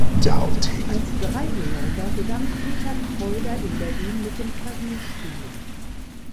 Als Dreijähriger begann Peter Kreuder in Berlin mit dem Klavierspielen.